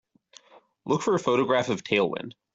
Look for a photograph of Tailwind